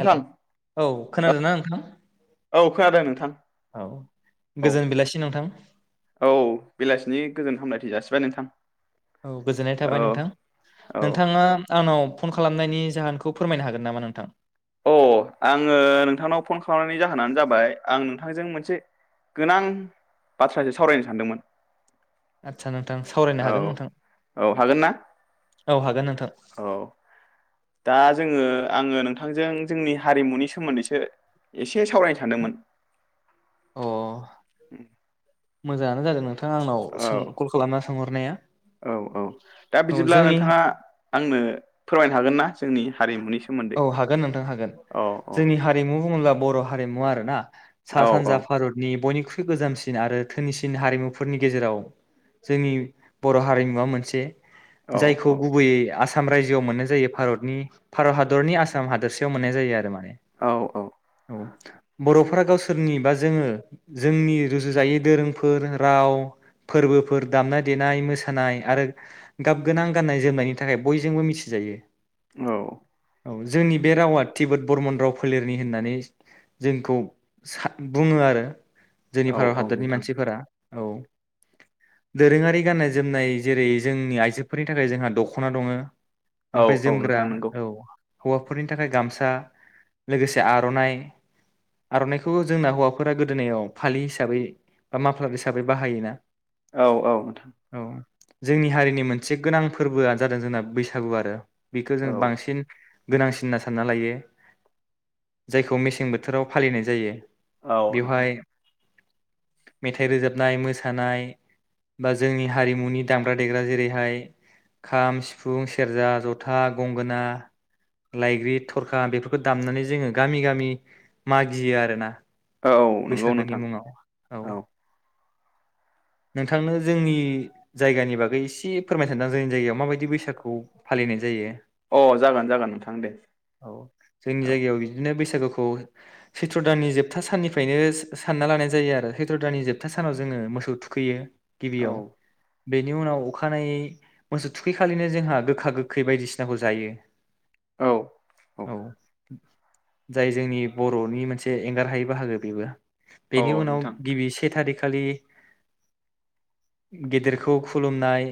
Hello औ खोनादों ना नोंथां औ खोनादों नोंथां औ औ गोजोन बेलासि नोंथां औ बेलासिनि गोजोन हामलायथिनाय जासिबाय नोंथां औ गोजोननाय थाबाय औ नोंथां औ नोंथाङा आंनाव फन खालाम खालामनायनि जाहोनखौ फोरमायनो हागोन नामा नोंथां अ आङो नोंथांनाव फन खालामनायनि जाहोनानो जाबाय आं नोंथांजों मोनसे गोनां बाथ्रासो सावरायनो सानदोंमोन आदसा नोंथां सावरायनो औ हागोन नोंथां औ हागोन ना औ हागोन नोंथां औ दा जोङो आङो नोंथां बिथांजों जोंनि हारिमुनि सोमोन्दैसो एसे सावरायनो सान्दोंमोन अ उम मोजाङानो जादों नोंथां औ औ औ दा औ बिदिब्ला जोंनि नोंथाङा आंनो फोरमायनो हागोन ना जोंनि हारिमुनि सोमोन्दै औ हागोन नोंथां हागोन औ औ जोंनि हारिमु बुङोला बर हारिमु आरोना सा औ औ सानजा भारतनि बयनिख्रुइ ख्रुय गोजामसिन आरो धोनिसिन हारिमुफोरनि गेजेराव जोंनि बर' हारिमुवा मोनसे औ जायखौ औ गुबैयै आस आसाम रायजोआव मोननाय जायो भारतनि भारत हादर हादरनि आसाम हादोरसेयाव मोननाय जायो आरो माने। औ औ। औ बर'फोरा गावसोरनि बा जोङो जोंनि रुजुजायै दोरोंफोर राव फोरबोफोर दामनाय देनाय मोसानाय आरो गाब गोनां गाननाय जोमनायनि थाखाय बयजोंबो मिथिजायो। औ। औ जोंनि बे रावा टिबत बरमन राव फोलेरनि होननानै जोंखौसा बुङो आरो। औ जोंनि भारत औ हादरनि नोंथां मानसिफोरा औ दोरोङारि गाननाय जोमनाय जेरै जोंनि आइजोफोरनि थाखाय जोंहा दखना दङ। औ ओमफ्राय औ जोमग्रा नोंथां नोंगौ। औ हौवाफोरनि थाखाय गामसा लोगोसे आरनाइ आरनाइखौ जोंना हौवाफोरा गोदोनायाव फालि हिसाबै बा माफालार हिसाबै बाहायोना। औ औ नोंथां। औ जोंनि हारिनि मोनसे गोनां फोरबोआ जादों जोंना बैसागु आरो। बेखौ औ जों बांसि गोनांसिनना सानना लायो जायखौ मेसें बोथोराव फालिनाय जायो। औ बेवहाय नोंथां। मेथाइ रोजाबनाय मोसानाय बा जोंनि हारिमुनि दामग्रा देग्रा जेरैहाय खाम सिफुं सेरजा जथा गंगोना लायग्रिथ रखा बेफोरखौ दामनानै जोङो गामि गामि मागियो आरो ना। औ नोंगौ नोंथां औ। नोंथांनो जोंनि जायगानि बागै एसे फोरमायनो सानदों जोंनि जायगायाव माबायदि बैसागु फालिनाय जायो। अ जागोन जागोन नोंथां दे औ। सागोखौ चत्र दाननि जोबथा साननिफ्राय फ्रायनो सानना लानाय जायो आरो सैत्र दाननि जोबथा सानाव जोङो मोसौ थुखैयो। औ गिबियाव। बेनि उनाव अखानायै मोसौ थुखैखालिनो जोंहा गोखा गोखै बायदिसिनाखौ जायो। औ औ। जाय जोंनि बर'नि मोनसे एंगार हायै बाहागो। बेबो। औ बेनि उनाव नोंथां गिबि से थारिख खालि गेदेरखौ खुलुमनाय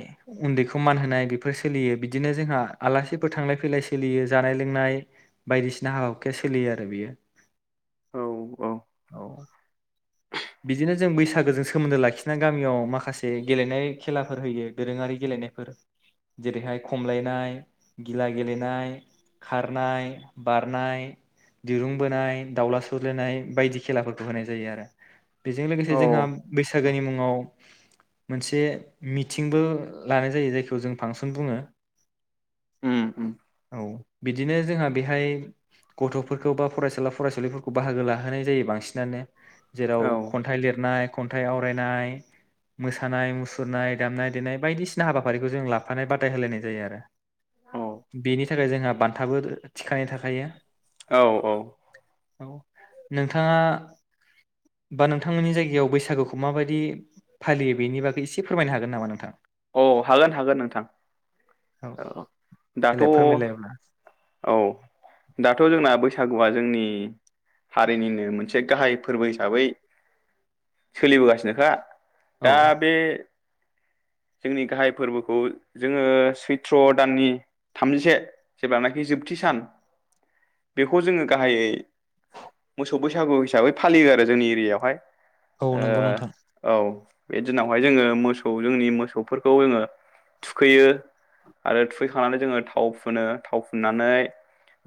उन्दैखौ मान होनाय बेफोर सोलियो बिदिनो जोंहा आलासिफोर थांलाय फैलाय सोलियो जानाय लोंनाय बायदिसिना हाबा हुखाया सोलियो आरो बियो औ औ। बिदिनो जों बैसागोजों सोमोन्दो लाखिनानै गामियाव माखासे गेलेनाय खेलाफोर होयो दोरोङारि गेलेनायफोर जेरैहाय खमलायनाय गिला गेलेनाय खारनाय बारनाय दिरुं बोनाय दाावला सौलायनाय बायदि। खेलाफोर खौ होनाय जायो आरो बेजों लोगोसे औ जोंहा बैसागोनि मुङाव मोनसे मिटिंबो लानाय जायो जायखौ जों फांसन बुङो उम उम औ बिदिनो जोंहा बेहाय गथफोरखौ बा फरायसुला फरायसुलिफोरखौ बाहागो लाहोनाय जायो बां सिनानो औ जेराव खन्थाइ लिरनाय खन्थाइ आवरायनाय मोसानाय मुसुरनाय दामनाय देनाय बायदिसिना हाबाफारिखौ जों लाफानाय बादाय होलायनाय जायो आरो औ बेनि थाखाय जोंहा बान थाबो थिखानाय थाखायो औ औ औ नोंथाङा बा नोंथांमोननि जायगायाव बैसागुखौ माबायदि फालियो बेनि बागै एसे फोरमायनो हागोन नामा नोंथां? औ हागोन हागोन नोंथां औ दाथ देलाय फोरमायलायोब्ला औ दाथ जोंना बै सागुआ जोंनि हारिनिनो मोनसे गाहाय फोरबो हिसाबै सोलिबोगासिनोखा औ दा बे जोंनि गाहाय फोरबोखौ जोङो सैथ्र दाननि थामजिसे जेब्लानाखि जोबथि सान बेखौ जोङो गाहायै मोसौ बैसागु हिसाबै फालियो आरो जोंनि एरियायावहाय औ ओ नंगौ नोंथां औ बे दिनावहाय जोङो मोसौ जोंनि मोसौफोरखौ जोङो थुखैयो आरो थुखैखांनानै जोङो थाव फुनो थाव फुननानै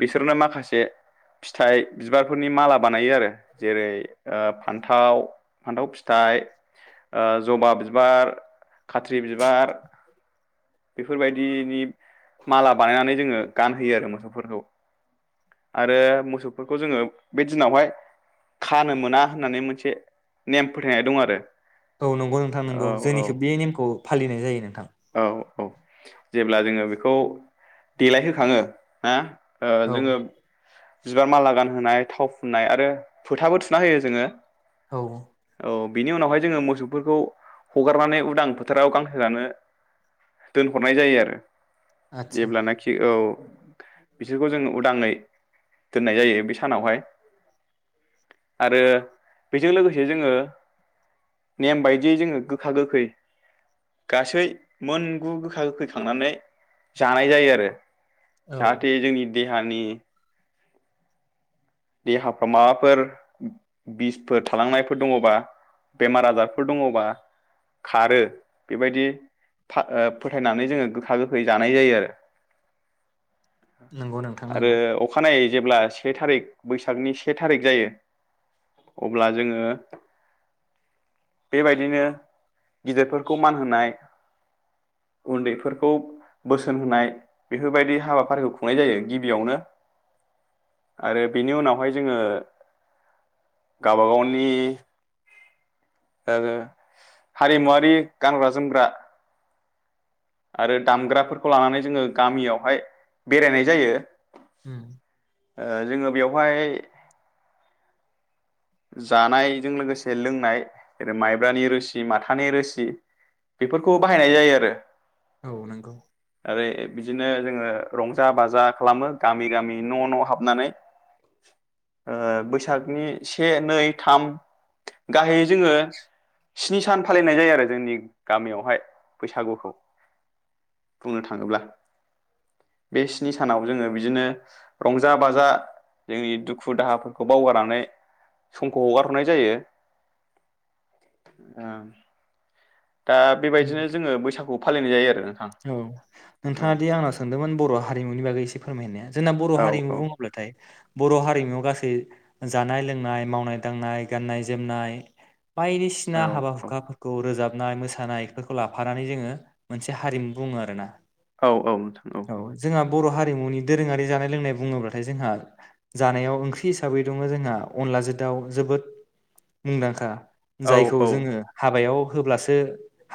बिसोर बिसोरनो माखासे फिथाइ बिबारफोरनि माला बानायो आरो जेरै फान्थाव फान्थाव फिथाइ जबा बिबार खाथ्रि बिबार बेफोरबायदिनि माला बानायनानै जोङो गानहोयो आरो मोसौफोरखौ आरो मोसौफोरखौ जोङो बे दिनावहाय खानो मोना होननानै मोनसे नेम फोथायनाय दं आरो औ नंगौ नोंथां औ नंगौ औ जोंनिखो बे नेमखौ फालिनाय जायो नों औ औ जेब्ला जोङो बेखौ देलायहोखाङो ना ओ औ जोङो बिबार माला गानहोनाय थाव फुननाय आरो फोथाबो थुना होयो जोङो औ औ बिनि उनावहाय जोङो मोसौफोरखौ हगारनानै उदां फोथाराव गांसो जानो दोनहरनाय जायो आरो आदसा जेब्लानाखि औ बिसोरखौ जोङो उदाङै दोननाय जायो बे सानावहाय आरो बेजों लोगोसे जोङो नेम बायदियै जोङो गोखा गोखै गासै मोनगु गोखा गोखै खांनानै जानाय जायो आरो जाहाथे जोंनि देहानि देहाफ्राव माबाफोर बिसफोर थालांनायफोर दङबा बेमार आजारफोर दङबा खारो बेबायदि फाह ओ फोथायनानै जोङो गोखा गोखै जानाय जायो आरो नंगौ नोंथां आरो नंगौ अखानायै जेब्ला से थारिख। बैसागनि से थारिक जायो अब्ला जोङो बेबायदिनो गिदिरफोरखौ मान होनाय उन्दैफोरखौ बोसोन होनाय बेफोरबायदि हाबाफारिखौ खुंनाय जायो गिबियावनो आरो। बेनि उनावहाय जोङो गावबा गावनि ओ हारिमुवारि गानग्रा जोमग्रा आरो दामग्राफोरखौ लानानै जोङो गामियावहाय बेरायनाय जायो। उम ओ जोङो बेवहाय। जानायजों लोगोसे लोंनाय ओरो जै माइब्रानि रोसि माथानि रोसि बेफोरखौ बाहायनाय जायो आरो। औ नंगौ आरो ए बिदि। नों जोङो रंजा बाजा खालामो गामि गामि न' न' हाबनानै ओ बैसागनि से नै थाम गाहायै जोङो स्नि सान फालिनाय जायो आरो जोंनि गामियावहाय बैसागुखौ बुंनो थाङोब्ला बे स्नि सानाव जोङो बिदिनो रंजा बाजा जोंनि दुखु दाहाफोरखौ बावगारनानै समखौ हगार हरनाय जायो ओ। दा बेबायदिनो जोङो बैसागु फालिनाय जायो आरो। नोंथां औ औ नोंथाङा दि आंनााव सोंदोंमोन बर' हारिमुनि बागै एसे फोरमायनाया जोंना बर' औ हारिमु बुङोब्लाथाय बर' हारिमुआव गासै जानाय लोंनाय मावनाय दांनाय गाननाय जोमनाय बायदिसिना औ हाबा औ हुखाफोरखौ रोजाब नाय मोसानायफोरखौ लाफानानै जोङो हारिमु बुङो आरो ना औ औ नोंथां औ। बर' हारिमुनि दोरोङारि जानाय लोंनाय बुङोब्लाथाय जोंहा जानायाव ओंख्रि हिसाबै दङ जोंहा अनलाजों दाउ जोबोद मुंदांखा औ जायखौ औ जोङो हाबायाव होब्लासो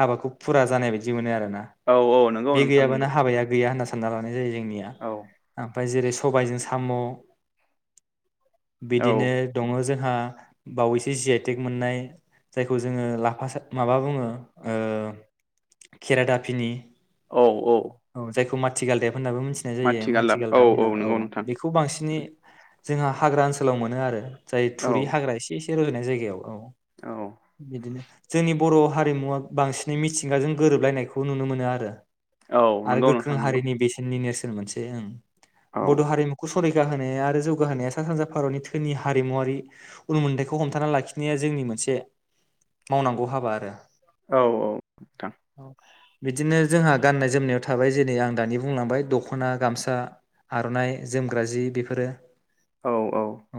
हाबाखौ फुरा जानाय बायदि मोनो आरो ना। औ औ नंगौ नोंथां नंगौ। हानना लानाय जायो जों निया औ आमफाय जेरै सबायजों साम साम औ बिदिनो दङ जों हा बावैसो जि आइ टेक मोननाय जायखौ जोङो लाफा सा माबा बुङो केेरादाफ फिनि औ औ। थि गालदेब। होननाबो मिथिनाय जायो माथि गालदाब माथिगालदाब होनना औ नंगौ नोंथां बेखौ बांसिनै जोंहा हाग्रा ओनसोलाव मोनो आरो जाय औ थुरि हाग्रा एसे ए से रजनाय जायगायाव औ औ बिदिनो जोंनि बर' हारिमुवा बांसिनै मिथिंगाजों गोरोबलायनाय खौ नुनो मोनो आरो औ आरो नंगौ गोख्रों नोंथां नंगौ हारिनि बेसेननि नेरसोन सोर मोनसे ओं औ बड हारिमुखौ संरै जौगा होनाया आरो जौगाहोनाया सा सानजा भारतनि थोनि हारिमुवारि उन मोन्थायखौ हमथाना लाखिनाया जोंनि मोनसे मावनांगौ हाबा आरो औ औ नोंथां औ बिदिनो जोंहा गाननाय जोमनायाव थाबाय जेरै आं दानि बुंलांबाय दखना, गामसा, आरनाइ जोमग्रा जि बेफोरो औ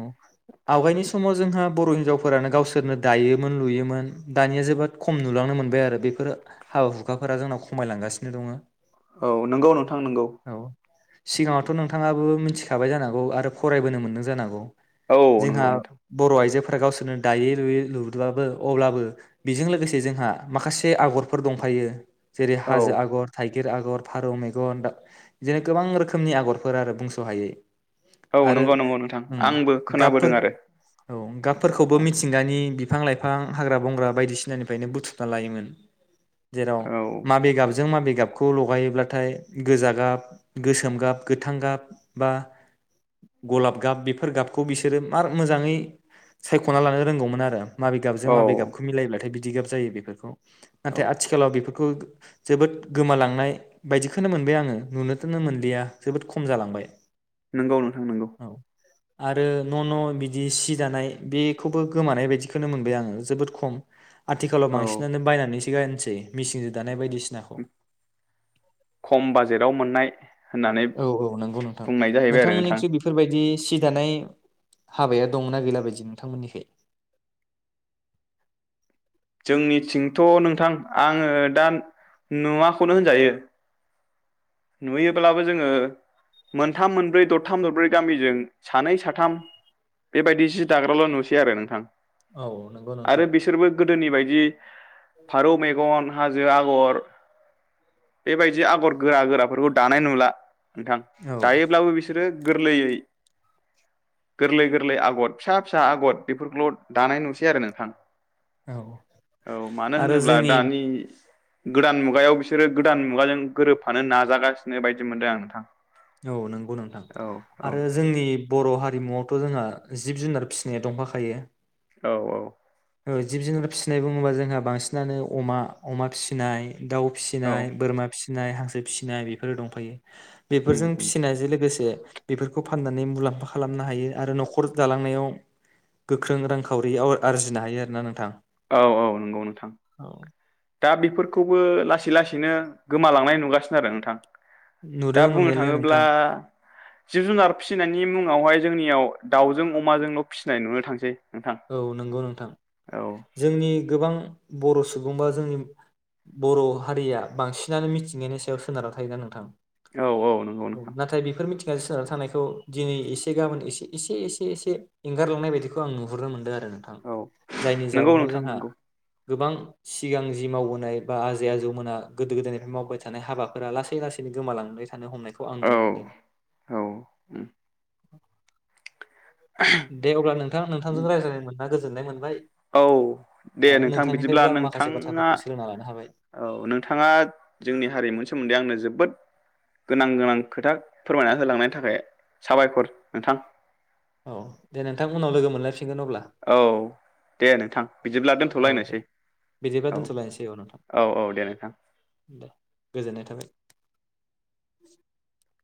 आवगायनि समाव जोंहा बर' हिनजावफोरानो गावसोरनो दायोमोन लुयोमोन दानिया जोबोद खम नुलांनो मोनबाय आरो बेफोर हाबा हु खाफोरा जोंनाव खमायलांगासिनो दङो। औ नंगौ नोंथां नोंगौ। सिगाङावथ नोंथाङाबो मिथिखाबाय जानांगौ आरो फरायबोनो मोनदों जानांगौ। औ नंगौ जोंहा नोंथां बर' आइजो फोरा गावसोरनो दायै लुयै लुबाबो अब्लाबो बेजों लोगोसे जोंहा माखासे आगरफोर दंफायो। जेरै औ हाजो आगर, थाइ गिर आगर, फारौ मेगन दा बिदिनो गोबां रोखोमनि आगरफोर आरो बुंसहायै। औ आरो नंगौ नंगौ नोंथां ओं आंबो खोनाबोदों गाबफोर आरो औ गाबफोरखौबो मिथिंगानि बि बिफां-लाइफां हाग्रा-बंग्रा बायदिसिनानिफ्रायनो बुथुमना लायोमोन। जेराव औ मा बे गाबजों माबे गाब गाबखौ लगायोब्लाथाय गोजा गाब, गोसोम गाब, गोथां गाब बा गलाब गाब बेफोर गाबखौ बिसोरो मार मोजाङै सायखना लानो रोंगौमोन आरो माबे गाबजों औ माबे गाबखौ मिलायब्लाथाय बि दि गाब जायो बेफोरखौ औ नाथाय आथिखालाव बेफो खौ जोबोद गोमालांनाय बायदिखोनो मोनबाय आङो नुनोखोनो मोनलिया जोबोद खम जालांबाय नोंगौ नोंथां नंगौ औ आरो न' न' बिदि सि दानाय बेखौबो गोमानाय बायदिखौनो मोनबाय आङो जोबोद खम आथिखालाव औ बांसिनानो बायनानैसो गानसै मिसिंजों दानाय बायदि खम बाजेटाव मोननाय होननानै औ औ नंगौ नोंथां बुंनाय जाहैबाय आरो नोंथां। नोंथांमोननिख्रुइ बेफोरबायदि सि दानाय हाबाया दंना गैला बादि नोंथांमोननिखै जोंनिथिंथ नोंथां आङो दा नुवाखौनो होनजायो नुयोब्लाबो जोङो मोनथाम मोनब्रै दरथाम दरब्रै गामिजों सानै साथाम बेबाय जि दाग्राल नुसै आरो नोंथां औ नंगौ नोंथां आरो बिसोरबो गोदोनि बायदि फारौ मैगन हाजो आगर बेबायदि आगर गोरा गोरा [unintelligible] दानाय नुला नोंथां औ दायोब्लाबो बिसोरो गोरलैयै गोरलै गोरलै आगर फिसा फिसा आगर बेफोरखौल दानाय नुसै आरो नोंथां औ औ मानो आरो होनोब्ला जोंनि दानि गोदान मुगायाव बिसोरो गोदान मुगाजों गोरोबफानो नाजा जागासिनो बायदि मोनदों आं नोंथां औ नंगौ नोंथां औ औ आरो जोंनि बर हारिमुआव थ जोंहा जिब जुनार फिसिनाया दंफाखायो औ औ जिब जुनार फिसिनाय बुङोबा जोंहा बांसिनानो अमा अमा फिसिनाय दाउ औ फिसिनाय बोरमा फिसिनाय फिसिनाय हांसो फिसिनाय बेफोरो दंफायो उम बेफोरजों उम फिसिनायजों लोगोसे बेफोरखौ फाननानै मुलाम्फा खालामनो हायो आरो नखर दालांनायाव गोख्रों रांखावरि आरजि हायो आरोना नोंथां औ औ नंगौ नोंथां औ दा बेफोरखौबो लासै लासै बिदिनो गोमालांनाय नुगासिनो आरो नोंथां दा नुदों बुंनो नुनायालाय थाङोब्ला नोंथां जिब जुनार फिसिनायनि मुङावहाय जोंनियाव दाउजों अमाजोंल फिसिनाय नुनो थांसै नोंथां औ नंगौ नोंथां औ जोंनि गोबां बर सुबुं बा जोंनि बर हारिया बांसिनानो मिथिंगानि सायाव सोनारना थायोना नोंथां औ औ नंगौ नोंथां गोसो जानानै थानायखौ दिनै एसे, गाबोन एसे, एसे एसे एसे एंगारलांनाय बायदिखौ आं नुनो मोनदों आरो नोंथां औ जायनि नंगौ जाउनाव नोंथां जोंहा नंगौ गोबां सिगां जि मावबोनाय बा आजै आजौमोना गोदो गोदायनिफ्राय मावबाय थानाय हाबाफोरा लासै लासैनो गोमालांबाय थानो हमनायखौ आं औ नुनो मोनदों। औ उम दे अब्ला नोंथां नोंथांजों रायज्लाय ना गोजोननाय मोनबाय औ दे आरो नोंथां बिदिब्ला नोंथांनिफ्रायबो आं माखासे नोंथाङा, बाथ्राफोरखौ सोलोंना लानो हाबाय औ, नोंथाङा जोंनि हारिमुनि सोमोन्दै आंनो जोबोद गोनां गोनां खोथा फोरमायना होलांनायनि थाखाय साबायखर नोंथां। औ, दे नोंथां उनाव लोगो मोनलायफिन औ दे नोंथां बिदिब्ला औ दे दोनथलायनोसै। बिदिब्ला औ दोनथ'लायनोसै नोंथां औ औ दे नोंथां। दे [inaudible]